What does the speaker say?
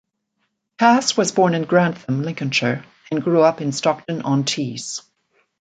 Cass was born in Grantham, Lincolnshire, and grew up in Stockton-on-Tees.